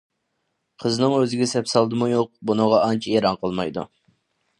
قىزنىڭ ئۆزىگە سەپ سالدىمۇ يوق بۇنىڭغا ئانچە ئېرەن قىلمايدۇ.